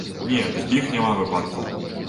Не, такіх няма выпадкаў.